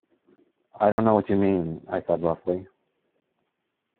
“I don’t know what you mean,” I said roughly.